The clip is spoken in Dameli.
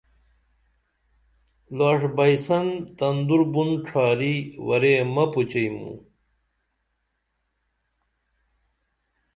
لاݜ بئی سن تندور بُن ڇھاری ورے مہ پچئی موں